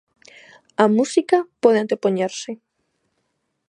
A música pode antepoñerse.